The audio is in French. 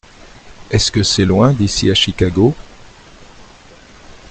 Est-ce que c’est loin d’ici à Chicago ?